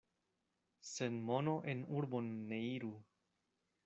Sen mono en urbon ne iru.